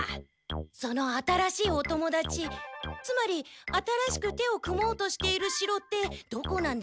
その新しいお友だちつまり新しく手を組もうとしている城ってどこなんでしょう？